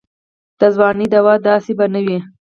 د ځوانۍ دوا دا داسې به نه وي.